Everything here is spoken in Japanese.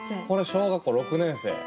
これ小学校６年生？